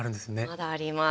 まだあります。